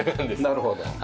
なるほど。